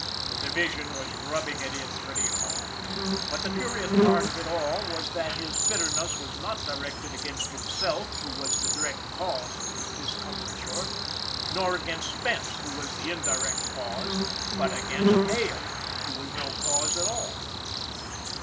The division was rubbing it in pretty hard. But the curious part of it all was that his bitterness was not directed against himself who was the direct cause of his discomfiture, nor against Spence who was the indirect cause, but against Hale, who was no cause at all.